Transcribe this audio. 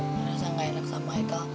ngerasa gak enak sama eka